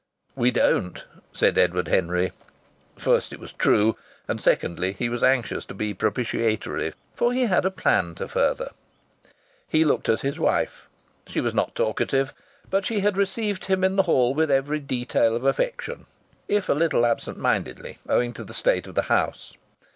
"We don't," said Edward Henry. First, it was true; and secondly, he was anxious to be propitiatory, for he had a plan to further. He looked at his wife. She was not talkative, but she had received him in the hall with every detail of affection, if a little absent mindedly owing to the state of the house.